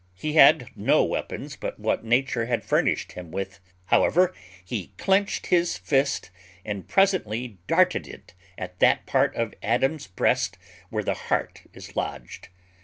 He had no weapons but what Nature had furnished him with. However, he clenched his fist, and presently darted it at that part of Adams's breast where the heart is lodged.